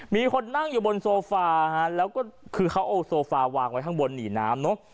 มีคนนั่งอยู่บนโซฟาฮะแล้วก็คือเขาเอาโซฟาวางไว้ข้างบนหนีน้ำเนอะ